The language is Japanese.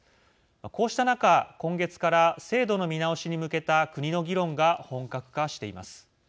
こうした中、今月から制度の見直しに向けた国の議論が本格化しています。